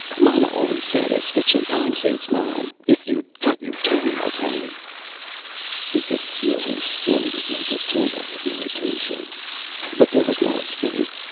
Mama always said a stitch in time saves nine. If you'd cut your toenails, Henry...." He could feel his skin begin to tingle with irritation. But there was no escape.